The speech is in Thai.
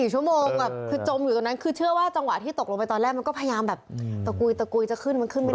๔ชั่วโมงแบบคือจมอยู่ตรงนั้นคือเชื่อว่าจังหวะที่ตกลงไปตอนแรกมันก็พยายามแบบตะกุยตะกุยจะขึ้นมันขึ้นไม่ได้